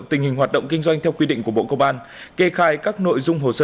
tình hình hoạt động kinh doanh theo quy định của bộ công an kê khai các nội dung hồ sơ